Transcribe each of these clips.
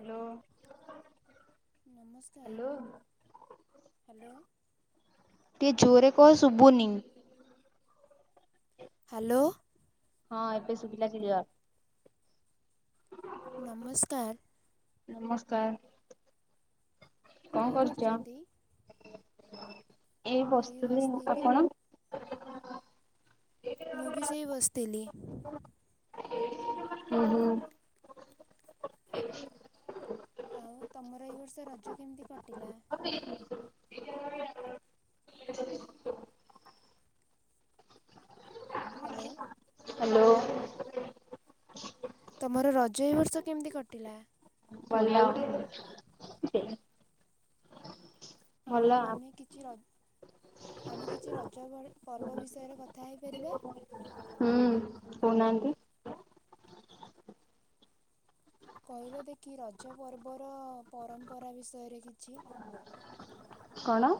Hello ନମସ୍କାର। Hello. Hello ଟିକେ ଜୋରରେ କହ, ଶୁଭୁନି? ହାଲୋ, ହଁ ଏବେ ଶୁବିଲା କ୍ଳିଅଉ। ନମସ୍କାର। ନମସ୍କାର କଣ କରୁଛ? ଏଇ ବସଥିଲି ଆଉ ଆପଣ? ମୁଁ ବି ସେଇ ବସିଥିଲି। ହୁଁ ହୁଁ। ଆଉ ତମର ଏଇ ବର୍ଷ ରଜ କେମିତି କଟିଲା? ହ୍ୟାଲୋ। ହ୍ୟାଲୋ। ତମର ରଜ ଏଇବର୍ଷ କେମିତି କଟିଲା? ଭଲ। ଆଉ ଭଲ ଆମେ କେତ କିଛି ର ଆମେ କିଛି ରଜ ଭଳି ପର୍ବ ବିଷୟରେ କଥା ହେଇପାରିବା? ହୁଁ। କହୁନାହାନ୍ତି। କହିଲ ଦେଖି ରଜ ପର୍ବର ପରମ୍ପରା ବିଷୟରେ କିଛି? କଣ?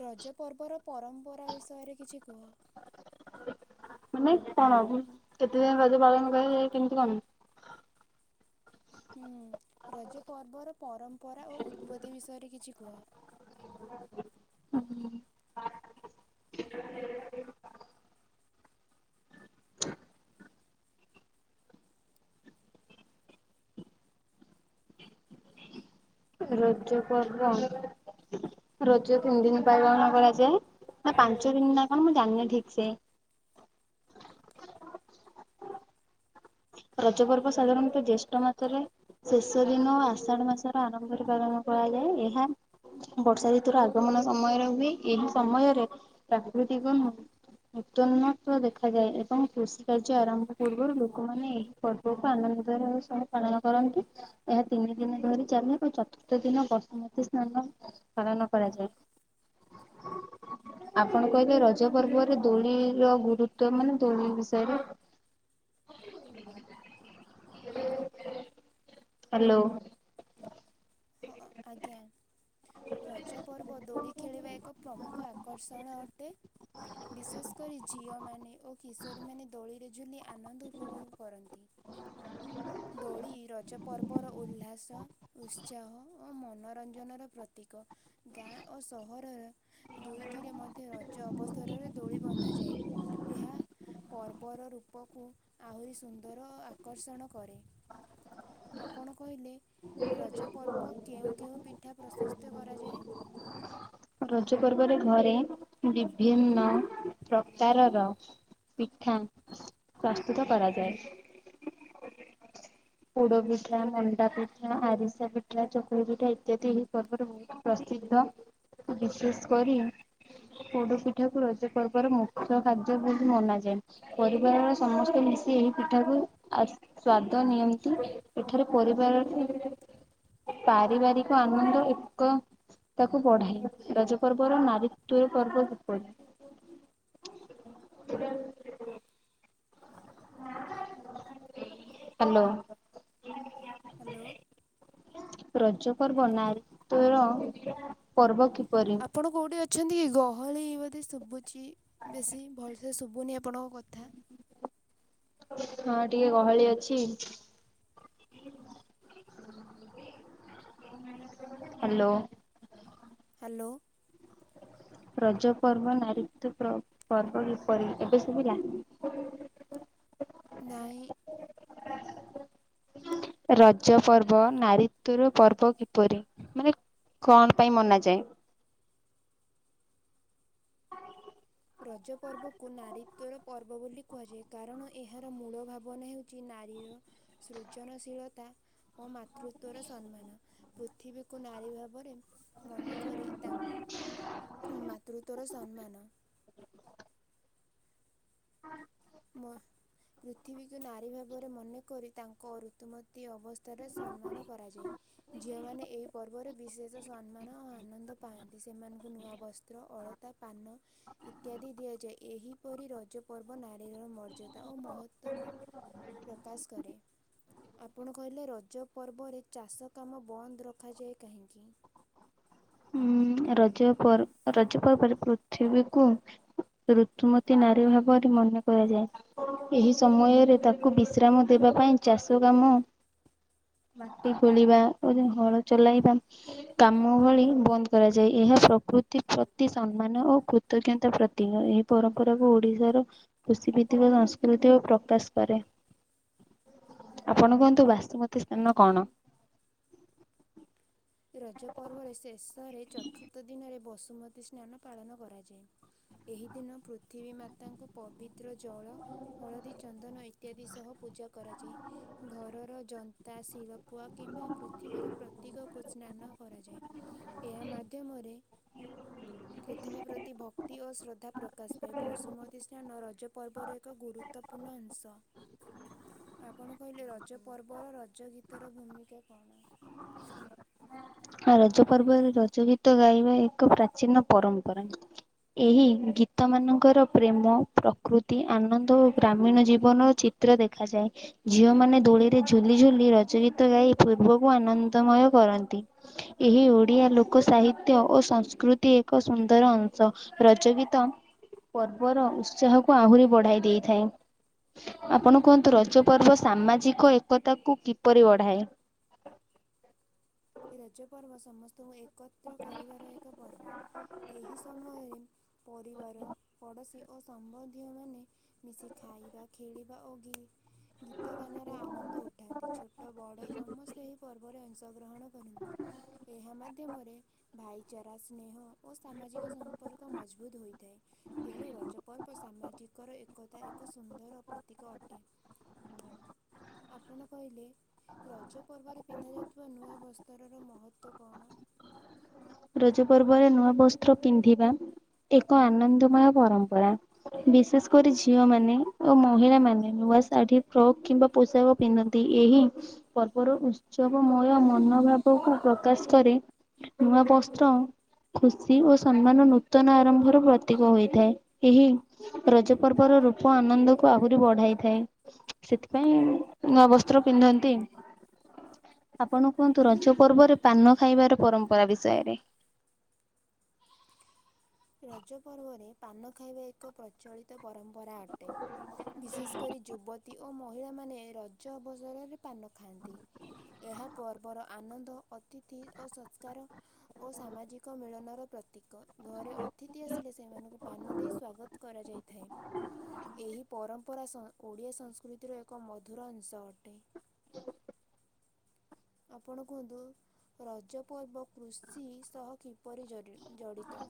ରଜପର୍ବର ପରମ୍ପରା ବିଷୟରେ କିଛି କୁହ? ମାନେ କଣ? କେତେ ଦିନ ରଜ ପାଳନ କରାଯାଏ? କେମିତି କଣ? ହୁଁ। ରଜ ପର୍ବର ପରମ୍ପରା ଓ ଉତ୍ପତ୍ତି ବିଷୟରେ କିଛି କୁହ। ରଜ ପର୍ବ ରଜ ତିନି ଦିନି ପାଳଣ କରାଯାଏ। ନା ପାଞ୍ଚ ଦିନି ନା କଣ? ମୁଁ ଜାଣିନି ଠିକ ସେ। ରଜ ପର୍ବ ସାଧାରଣତଃ ଜ୍ୟେଷ୍ଠ ମାସରେ ଶେଷ ଦିନ ଆଷାଢ ମାସର ଆରମ୍ଭରେ ପାଳନ କରାଯାଏ। ଏହା ବର୍ଷା ଋତୁର ଆଗମନ ସମୟରେ ହୁଏ। ଏହି ସମୟରେ ପ୍ରାକୃତିକ ନୁହଁ ଉତ୍ତନ୍ନତ ଦେଖାଯାଏ ଏବଂ କୃଷି କାର୍ଯ୍ୟ ଆରମ୍ଭ ପୂର୍ବରୁ ଲୋକମାନେ ପର୍ବକୁ ଆନନ୍ଦିତର ସହ ପାଳନ କରନ୍ତି। ଏହା ତିନି ଦିନ ଧରି ଚାଲେ ଓ ଚତୁର୍ଥ ଦିନ ବସୁମତୀ ସ୍ନାନ ପାଳନ କରାଯାଏ। ଆପଣ କହିଲେ ରଜ ପର୍ବରେ ଦୋଳି ର ଗୁରୁତ୍ଵ ମାନେ ଦୋଳି ବିଷୟରେ। ହ୍ୟାଲୋ। ହଁ, ଆଜ୍ଞା। ରଜ ପର୍ବ ଦୋଳି ଖେଳିବା ଏକ ପ୍ରମୁଖ ଆକର୍ଷଣ ଅଟେ। ବିଶେଷ କରି ଝିଅମାନେ ଓ କିଶୋରୀମାନେ ଦୋଳିରେ ଝୁଲି ଆନନ୍ଦ ଉପଭୋଗ କରନ୍ତି। ଦୋଳି ରଜ ପର୍ବର ଉଲ୍ଲାସ। ଉତ୍ସାହ ଓ ମନୋରଞ୍ଜନର ପ୍ରତୀକ। ଗାଁ ଓ ସହରର ଦୁଇଟିରେ ମଧ୍ୟ ରଜ ଅବସରରେ ଦୋଳି ବନ୍ଧାଯାଏ। ଏହା ପର୍ବର ରୂପକୁ ଆହୁରି ସୁନ୍ଦର ଆକର୍ଷଣ କରେ। ଆପଣ କହିଲେ ରଜ ପର୍ବ କେଉଁ କେଉଁ ପିଠା ପ୍ରସ୍ତୁସ୍ଥ କରାଯାଏ? ରଜ ପର୍ବରେ ଘରେ ବିଭିନ୍ନ ପ୍ରକାରର ପିଠା ପ୍ରସ୍ତୁତ କରାଯାଏ। ପୋଡ଼ ପିଠା, ମଣ୍ଡାପିଠା, ଆରିସା ପିଠା, ଚକୁଳି ପିଠା ଇତ୍ୟାଦି ଏହି ପର୍ବରେ ହୁଏ। ପ୍ରସିଦ୍ଧ। ବିଶେଷ କରି ପୋଡ ପିଠା କୁ ରଜ ପର୍ବର ମୁଖ୍ୟ ଖାଦ୍ୟ ବୋଲି ମନାଯାଏ। ପରିବାରର ସମସ୍ତେ ମିଶି ଏହି ପିଠା କୁ ଆସ ସ୍ଵାଦ ନିୟନ୍ ଏଠାରେ ପରିବାର ହିଁ ପାରିବାରିକ ଆନନ୍ଦ ଏକ ତାକୁ ବଢାଏ। ରଜ ପର୍ବର ନାରୀତ୍ବର ପର୍ବ କିପରି? ହାଲୋ। ହାଲୋ। ରଜ ପର୍ବ ନାରୀତ୍ବର ପର୍ବ କିପରି? ଆପଣ କୋଉଠି ଅଛନ୍ତି କି ଗହଳି ବୋଧେ ଶୁଭୁଛି? ବେଶୀ ଭଲସେ ଶୁଭୁନି ଆପଣଙ୍କ କଥା। ହଁ ଟିକେ ଗହଳି ଅଛି। ହାଲୋ। ହାଲୋ। ରଜ ପର୍ବ ନାରୀତ୍ଵ ପର୍ବ କିପରି ଏବେ ଶୁଭିଲା? ନାଇଁ। ରଜ ପର୍ବ ନାରିତ୍ଵର ପର୍ବ କିପରି ମାନେ କଣ ପାଇଁ ମନାଯାଏ? ରଜ ପର୍ବକୁ ନାରୀତ୍ଵର ପର୍ବ ବୋଲି କୁହାଯାଏ କାରଣ ଏହାର ମୂଳ ଭାବନା ହେଉଛି ନାରୀର ସୃଜନଶୀଳତା ଓ ମାତୃତ୍ୱର ସମ୍ମାନ ପୃଥିବୀକୁ ନାରୀ ଭାବରେ ମନେକରି ତାଙ୍କ ମାତୃତ୍ଵର ସମ୍ମାନ। ହଁ ମର। ପୃଥିବୀକୁ ନାରୀ ଭାବରେ ମନେକରି ତାଙ୍କ ଋତୁମତୀ ଅବସ୍ଥାର ସମ୍ମାନ କରାଯାଏ। ଝିଅମାନେ ଏଇ ପର୍ବରେ ବିଶେଷ ସମ୍ମାନ ଓ ଆନନ୍ଦ ପାଆନ୍ତି ସେମାନଙ୍କୁ ନୂଆ ବସ୍ତ୍ର ଅଳକ୍ ପାନ ଇତ୍ୟାଦି ଦିଆଯାଏ ଏହିପରି ରଜ ପର୍ବ ନା ଶରୀରର ମର୍ଯ୍ୟାଦା ଓ ମହତ୍ଵକୁ ପ୍ରକାଶ କରେ। ଆପଣ କହିଲେ ରଜ ପର୍ବରେ ଚାଷ କାମ ବନ୍ଦ ରଖାଯାଏ କାହିଁକି? ରଜ ପର୍ ରଜ ପର୍ବରେ ପୃଥିବୀକୁ ଋତୁମତୀ ନାରୀ ଭାବରେ ମନେ କରାଯାଏ। ଏହି ସମୟରେ ତାକୁ ବିଶ୍ରାମ ଦେବା ପାଇଁ ଚାଷ କାମ ମାଟି ଖୋଳିବା ଓ ହଳ ଚଲାଇବା କାମ ଭଳି ବନ୍ଦ କରାଯାଏ ଏହା ପ୍ରକୃତି ପ୍ରତି ସମ୍ମାନ ଓ କୃତଜ୍ଞତା ପ୍ରତିକ ଏହି ପରମ୍ପରାକୁ ଓଡିଶାର କୃଷି ଭିତ୍ତିକ ସଂସ୍କୃତି ଓ ପ୍ରକାଶ କରେ। ଆପଣ କୁହନ୍ତୁ ବାସୁମତୀ ସ୍ଥାନ କଣ? ରଜ ପର୍ବରେ ଶେଷରେ ଚତୁର୍ଥ ଦିନରେ ବସୁମତୀ ସ୍ନାନ ପାଳନ କରାଯାଏ। ଏହି ଦିନ ପୃଥିବୀ ମାତାଙ୍କୁ ପବି ଜଳ ହଳଦୀ ଚନ୍ଦନ ଇତ୍ୟାଦି ପୂଜାକରାଯାଏ ଘର ତା ଶିରପୁଆ କିମ୍ବା ପୃଥିବୀର ପ୍ରତୀକକୁ ସ୍ନାନ କରାଯାଏ। ଏହା ମାଧ୍ୟମରେ ପୃଥିବୀ ପ୍ରତି ଭକ୍ତି ଓ ଶ୍ରଦ୍ଧା ପ୍ରକାଶ ପାଏ ବସୁମତୀ ସ୍ନାନ ରଜ ପର୍ବର ଏକ ଗୁରୁ ଗୁରୁତ୍ୱପୂର୍ଣ୍ଣ ଅଂଶ। ଆପଣ କହିଲେ ରଜ ପର୍ବର ରଜ ଗୀତର ଭୂମିକା କଣ? ଆ ରଜ ପର୍ବରେ ରଜ ଗୀତ ଗାଇବା ଏକ ପ୍ରାଚୀନ ପରମ୍ପରା। ଏହି ଗୀତମାନଙ୍କର ପ୍ରେମ ପ୍ରକୃତି ଆନନ୍ଦ ଓ ଗ୍ରାମୀଣ ଜୀବନର ହେଉଚି ଚିତ୍ର ଦେଖାଯାଏ। ଝିଅମାନେ ଦୋଳିରେ ଝୁଲି ଝୁଲି ରଜ ଗୀତ ଗାଇ ପୂର୍ବକୁ ଆନନ୍ଦମୟ କରନ୍ତି। ଏହି ଓଡ଼ିଆ ଲୋକ ସାହିତ୍ୟ ଓ ସଂସ୍କୃତି ଏକ ସୁନ୍ଦର ଅଂଶ। ନାଚ ଗୀତ ପର୍ବର ଉତ୍ସାହକୁ ଆହୁରି ବଢାଇ ଦେଇଥାଏ। ଆପଣ କୁହନ୍ତୁ ରଜ ପର୍ବ ସାମାଜିକ ଏକତାକୁ କିପରି ବଢ଼ାଏ? ରଜ ପର୍ବ ସମସ୍ତଙ୍କୁ ଏକତ୍ର କରିବାର ଏକ ପର୍ବ ଏହି ସମୟରେ ପରିବାର ପଡ଼ୋଶୀ ଓ ସମ୍ବନ୍ଧୀୟମାନେ ମିଶି ଖାଇବା ଖେଳିବା ଓ ଗି ଗୀତ ଗାନାର ଆନନ୍ଦ ଉଠାନ୍ତି ଛୋଟ ବଡ଼ ସମସ୍ତେ ଏହି ପର୍ବରେ ଅଂଶଗ୍ରହଣ କରି। ଏହା ମାଧ୍ୟମରେ ଭାଇଚାରା ସ୍ନେହ ଓ ସାମାଜିକ ସମ୍ପର୍କ ମଜବୁତ ହୋଇଥାଏ। ତେଣୁ ରଜପର୍ବ ସାମାଜିକର ଏକତା ଏକ ସୁନ୍ଦର ପ୍ରତୀକ ଅଟେ। ଆପଣ କହିଲେ ରଜ ପର୍ବରେ ପିନ୍ଧାଯାଉଥିବା ନୂଆ ବସ୍ତ୍ରର ମହତ୍ତ୍ଵ କଣ? ରଜ ପର୍ବରେ ନୂଆ ବସ୍ତ୍ର ପିନ୍ଧିବା ଏକ ଆନନ୍ଦମୟ ପରମ୍ପରା। ବିଶେଷ କରି ଝିଅ ମାନେ ଓ ମହିଳା ମାନେ ନୂଆ ଶାଢୀ, ଫ୍ରଗ଼ କିମ୍ବା ପୋଷାକ ପିନ୍ଧନ୍ତି। ଏହି ପର୍ବର ଉତ୍ସବ ମୟ ମନୋ ଭାବକୁ ପ୍ରକାଶ କରି ନୂଆ, ପୋଷା ତ ଖୁସି ଓ ସମ୍ମାନ ନୂତନ ଆରମ୍ଭର ପ୍ରତୀକ ହୋଇଥାଏ। ଏହି ରଜ ପର୍ବର ରୂପ ଆନନ୍ଦକୁ ଆହୁରି ବଢାଇଥାଏ। ସେଥିପାଇଁ ନୂଆ ବସ୍ତ୍ର ପିନ୍ଧନ୍ତି। ଆପଣ କୁହନ୍ତୁ ରଜ ପର୍ବରେ ପାନ ଖାଇବାର ପରମ୍ପରା ବିଷୟରେ। ରଜ ପର୍ବରେ ପାନ ଖାଇବା ଏକ ପ୍ରଚଳିତ ପରମ୍ପରା ଅଟେ। ବିଶେଷ କରି ଯୁବତୀ ଓ ମହିଳା ମାନେ ରଜ ଅବସରରେ ପାନ ଖାଆନ୍ତି। ଏହା ପର୍ବର ଆନନ୍ଦ, ଅତିଥି ଓ ସତ୍କାର ଓ ସାମାଜିକ ମିଳନର ପ୍ରତୀକ। ଘରେ ଅ ଅତିଥି ଆସିଲେ ସେମାନଙ୍କୁ ପାନ ଦେଇ ସ୍ଵାଗତ କରା ଯାଇଥାଏ। ଏହି ପରମ୍ ଉପ ରାସ ଓଡ଼ିଆ ସଂସ୍କୃତିର ଏକ ମଧୁର ଅଂଶ ଅଟେ। ଆପଣ କୁହନ୍ତୁ ରଜପର୍ବ କୃଷି ସହ କିପରି ଜ- ଜଡ଼ିତ?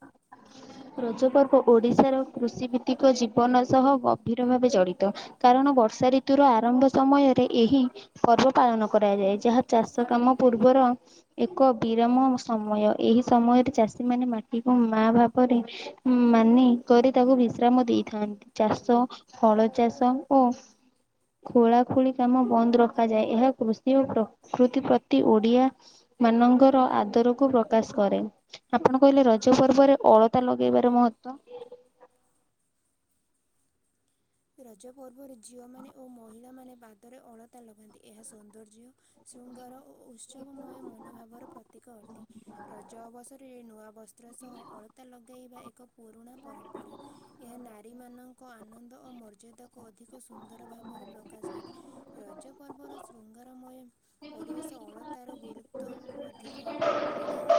ରଜ ପର୍ବ ଓଡିଶାର କୃଷି ଭିତ୍ତିକ ଜୀବନ ସହ ଗଭୀର ଭାବେ ଜଡ଼ିତ। କାରଣ ବର୍ଷା ରିତୁର ଆରମ୍ଭ ସମୟରେ ଏହି ପର୍ବ ପାଳନ କରାଯାଏ। ଯାହା ଚାଷ କାମ ପୂର୍ବର ଏକ ବିରମ ସମୟ। ଏହି ସମୟରେ ଚାଷୀ ମାନେ ମାଟିକୁ ମା ଭାବେ ପରେ ମାନେ କରି ତାକୁ ବିଶ୍ରାମ ଦେଇଥାନ୍ତି। ଚାଷ ଫଳ ଚାଷ ଓ ଖୋଳା ଖୋଳି କାମ ବନ୍ଦ ରଖାଯାଏ। ଏହା କୃଷି ଓ ପ୍ରକୃତି ପ୍ରତି ଓଡିଆ ମାନଙ୍କର ଆଦରକୁ ପ୍ରକାଶ କରେ। ଆପଣ କହିଲେ ରଜ ପର୍ବରେ ଅଳ ତା ଲଗେଇ ବାର ମହତ୍ୱ ରଜ ପର୍ବରେ ଝିଅମାନେ ଓ ମହିଳାମାନୋନ ପାଦରେ ଅଳତା ଲଗାନ୍ତି, ଏହା ସୌନ୍ଦର୍ଯ୍ୟ ଶୃଙ୍ଗାର ଓ ଉତ୍ସବମୟ ମନୋଭାବର ପ୍ରତୀକ ଅଟେ। ରଜ ଅବସରରେ ନୂଆ ବସ୍ତ୍ର ସହ ଅଳତା ଲଗାଇବା ଏକ ପୁରୁଣା ପରମ୍ପରା। ଏହା ନାରୀ ମାନଙ୍କ ଆନନ୍ଦ ଓ ମର୍ଯ୍ୟାଦାକୁ ଅଧିକ ସୁନ୍ଦର ଭାବରେ ପ୍ରକାଶ କରେ। ରଜା ପର୍ବର ଶୃଙ୍ଗାର ମୟ ପରିବେଶ ଅଳତାର ଗୁରୁତ୍ୱ ଅଧିକ ବଢ଼ାଏ।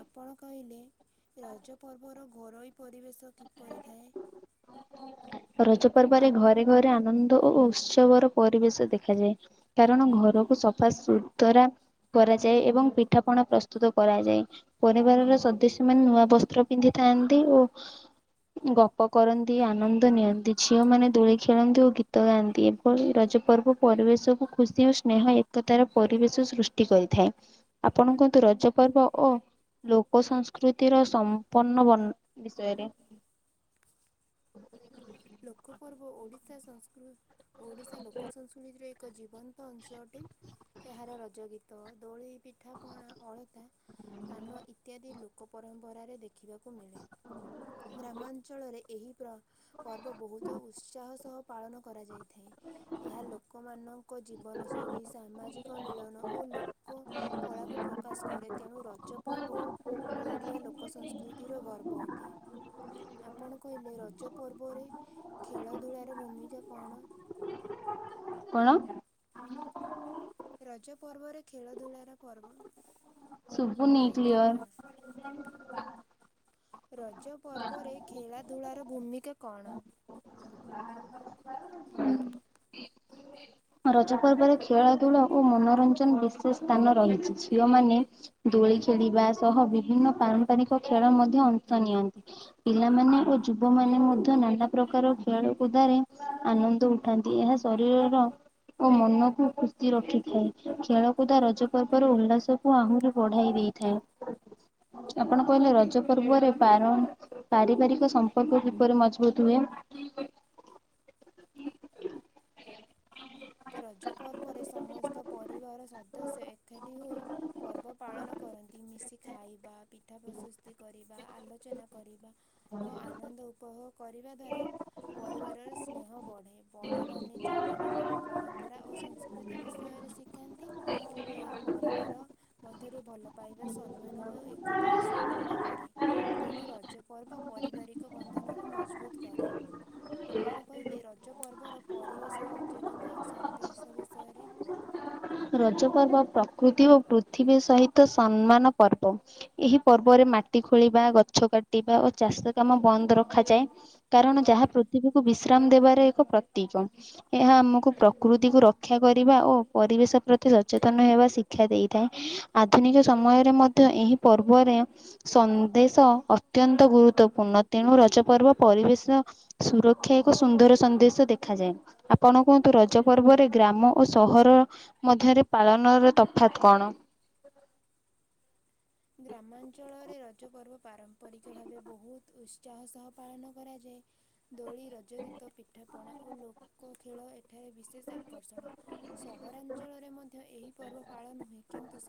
ଆପଣ କହିଲେ ରଜ ପର୍ବ ର ଘରୋଇ ପରିବେଶ କିପରି ଥାଏ? ରଜ ପର୍ବରେ ଘରେ ଘରେ ଆନନ୍ଦ ଓ ଉତ୍ସବର ପରିବେଶ ଦେଖାଯଏ। କାରଣ ଘରକୁ ସଫା ସୁତୁରା କରାଯାଏ। ଏବଂ ପିଠାପଣା ପ୍ରସ୍ତୁତ କରାଯାଏ। ପରିବାରର ସଦସ୍ୟ ମାନେ ନୂଆ ବସ୍ତ୍ର ପିନ୍ଧିଥାନ୍ତି। ଓ ଗପ କରନ୍ତି ଆନନ୍ଦ ନିଅନ୍ତି। ଝିଅମାନେ ଦୋଳି ଖେଳନ୍ତି ଓ ଗୀତ ଗାଆନ୍ତି, ଏଭଳି ରଜ ପର୍ବ ପରିବେଶକୁ ଖୁସି ଓ ସ୍ନେହ ତାର ପରିବେଶ ସୃଷ୍ଟି କରିଥାଏ। ଆପଣ କହନ୍ତୁ ରଜ ପର୍ବ ଓ ଲୋକ ସଂସ୍କୃତିର ସମ୍ପନ୍ନ ବଣ ବିଷୟରେ। ଲୋକପର୍ବ ଓଡ଼ିଶା ସଂସ୍କୃ ଓଡ଼ିଶା ଲୋକ ସଂସ୍କୃତିର ଏକ ଜୀବନ ତ ଅଂଶ ଅଟେ। ଏହାର ରଜ ଗୀତ, ଦୋଳି, ପିଠା ପଣା, ଅଳତା ପାନ ଇତ୍ୟାଦି ଲୋକ ପରମ୍ପରା ରେ ଦେଖିବାକୁ ମିଳେ। ଗ୍ରାମାଞ୍ଚଳରେ ଏହି ପ୍ର-ପର୍ବ ବହୁତ ଉତ୍ସାହ ସହ ପାଳନ କରାଯାଇଥାଏ। ଏହା ଲୋକମାନଙ୍କ ଜୀବନଶୈଳୀ ସାମାଜିକ ମିଳନ ଓ ଲୋକ କଳାକୁ ପ୍ରକାଶ କରେ, ତେଣୁ ରଜ ପର୍ବ ଓ ଓଡିଆ ଲୋକ ସଂସ୍କୃତିର ଗର୍ବ ଅଟେ ଆପଣ କହିଲେ ରଜ ପର୍ବରେ ଖେଳଧୂଳାର ଭୂମିକା କଣ? କଣ ଅ? ରଜ ପର୍ବରେ ଖେଳ ଧୂଳାର ପର୍ବ ସୁୁଭୁନି ମହତ୍ତ୍ୱ କ୍ଲିୟର କଣ? ରଜ ପର୍ବରେ ଖେଳା ଧୂଳାର ଭୂମିକା କଣ? ହୁଁ। ରଜ ପର୍ବରେ ଖେଳାଧୂଳ ଓ ମନୋରଞ୍ଜନ ବିଶେଷ ସ୍ଥାନ ରହିଛି ଝିଅମାନେ ଦୋଳି ଖେଳିବା ସହ ବିଭିନ୍ନ ପାରମ୍ପାରିକ ଖେଳ ମଧ୍ୟ ଅଂଶ ନିଅନ୍ତି। ପିଲାମାନେ ଓ ଯୁବ ମାନେ ମଧ୍ୟ ନାନା ପ୍ରକାର ଖେଳ କୁଦରେ ଆନନ୍ଦ ଉଠ ଉଠାନ୍ତି ଏହା ଶରୀରର ଓ ମନକୁ ଖୁସି ରଖିଥାଏ ଖେଳକୁଦ ରଜ ପର୍ବର ଉଲ୍ଲାସ କୁ ଆହୁରି ବଢ଼ାଇ ଦେଇଥାଏ। [inaudible] ଆପଣ କହିଲେ ରଜ ପର୍ବରେ ପାରଣ ପାରିବାରିକ ସମ୍ପର୍କ କିପରି ମଜବୁତ ହୁଏ? ରଜ ପର୍ବରେ ସମସ୍ତ ପରିବାର ସଦସ୍ୟ ଏକାଠି ହୋଇ ପର୍ବ ପାଳନ କରନ୍ତି। ମିଶି ଖାଇବା ପିଠା ପ୍ରଶୁସ୍ତି କରିବା ଆଲୋଚନା କରିବା। ଓ ଆନନ୍ଦ ଉପଭୋଗ କରିବା ଦ୍ୱାରା ପରିବାରର ସ୍ନେହ ବଢେ। ବଡ଼ମାନେ ଛୋଟମାନଙ୍କୁ ପରମ୍ପରା ଓ ସଂସ୍କୃତି ବିଷୟରେ ଶିଖାନ୍ତି। ଏହା ପରିବାର ମଧ୍ୟରେ ଭଲ ପାଇବା ସମ୍ମାନ ଓ ଏକତାକୁ ସୁଦୃଢ଼ କରେ। ତେଣୁ ରଜ ପର୍ବ ପରିବାରିକ ବନ୍ଧନର ମଜବୁତ କରେ। ଆପଣ କହିଲେ ରଜ ପର୍ବର ପରିବେଶ ସଚେତନା ସନ୍ଦେଶ ବିଷୟରେ। ରଜ ପର୍ବ ପ୍ରକୃତି ଓ ପୃଥିବୀ ସହିତ ସମ୍ମାନ ପର୍ବ। ଏହି ପର୍ବରେ ମାଟି ଖୋଳିବା ଗଛ କାଟିବା ଓ ଚାଷ କାମ ବନ୍ଦ ରଖାଯାଏ। କାରଣ ଯାହା ପୃଥିବୀକୁ ବିଶ୍ରାମ ଦେବାର ଏକ ପ୍ରତୀକ। ଏହା ଆମକୁ ପ୍ରକୃତିକୁୁ ରକ୍ଷା କରିବା ଓ ପରିବେଶ ପ୍ରତି ସଚେତନ ହେବା ଶିକ୍ଷା ଦେଇଥାଏ ଆଧୁନିକ ସମୟରେ ମଧ୍ୟ ଏହି ପର୍ବରେ ସନ୍ଦେଶ ଅତ୍ୟନ୍ତ ଗୁରୁତ୍ୱପୂର୍ଣ୍ଣ ତେଣୁ ରଜ ପର୍ବ ପରିବେଶ ସୁରକ୍ଷା ଏକ ସୁନ୍ଦର ସନ୍ଦେଶ ଦେଖାଯାଏ। ଆପଣ କୁହନ୍ତୁ ରଜ ପର୍ବରେ ଗ୍ରାମ ଓ ସହର ମଧ୍ୟରେ ପାଳନର ତଫାତ୍ କଣ? ଗ୍ରାମାଞ୍ଚଳରେ ରଜପର୍ବ ପାରମ୍ପରିକ ଭାବେ ବହୁତ ଉତ୍ସାହ ସହ ପାଳନ କରାଯାଏ। ଦୋଳି ରଜଗୀତ ପିଠାପଣା ଓ ଲୋକ ଖେଳ ଏକ ଏଠାରେ ବିଶେଷ ଆକର୍ଷଣ ସହରାଞ୍ଚଳରେ ମଧ୍ୟ ଏହି ପର୍ବ ପାଳନ ହୁଏ କି